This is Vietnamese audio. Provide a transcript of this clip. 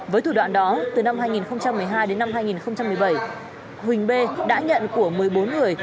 với thủ đoạn đó từ năm hai nghìn một mươi hai đến năm hai nghìn một mươi bảy huỳnh b đã nhận của một mươi bốn người